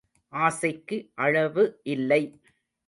ஆசைக்கு அளவு இல்லை.